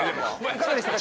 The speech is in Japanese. いかがでしたか？